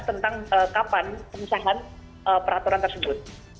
tentang kapan pengesahan peraturan tersebut